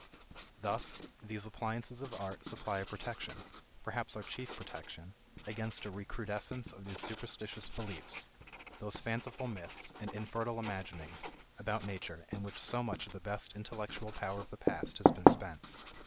Thus these appliances of art supply a protection, perhaps our chief protection, against a recrudescence of these superstitious beliefs, those fanciful myths and infertile imaginings about nature in which so much of the best intellectual power of the past has been spent.